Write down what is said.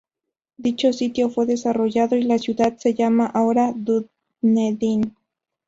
Dicho sitio fue desarrollado y la ciudad se llama ahora Dunedin.